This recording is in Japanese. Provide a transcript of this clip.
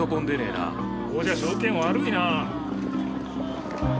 ここじゃ条件悪いな。